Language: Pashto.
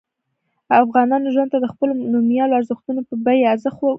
افغانانو ژوند ته د خپلو نوميالیو ارزښتونو په بیه ارزښت ورکاوه.